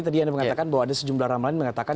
tadi anda mengatakan bahwa ada sejumlah ramalan mengatakan